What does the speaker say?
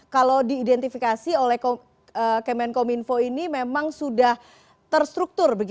kalau diidentifikasi oleh kemenkominfo ini memang sudah terstruktur